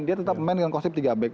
dia tetap memainkan konsep tiga back